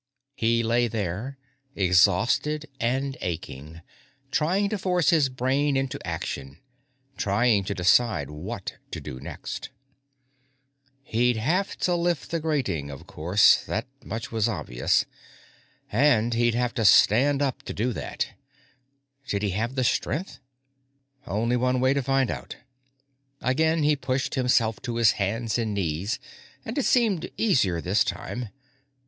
He lay there, exhausted and aching, trying to force his brain into action, trying to decide what to do next. He'd have to lift the grating, of course; that much was obvious. And he'd have to stand up to do that. Did he have the strength? Only one way to find out. Again he pushed himself to his hands and knees, and it seemed easier this time.